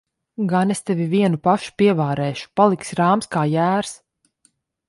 Gan es tevi vienu pašu pievarēšu! Paliksi rāms kā jērs.